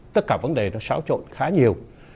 tất cả vấn đề nó xáo trộn khá nhiều